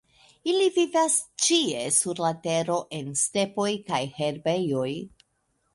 Ili vivas ĉie sur la Tero, en stepoj kaj herbejoj.